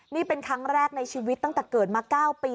นี่เป็นครั้งแรกในชีวิตตั้งแต่เกิดมา๙ปี